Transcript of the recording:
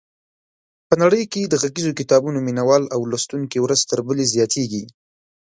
په نړۍ کې د غږیزو کتابونو مینوال او لوستونکي ورځ تر بلې زیاتېږي.